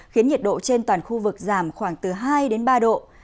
khiến nhiệt độ trên toàn khu vực giảm khoảng từ hai đến ba độ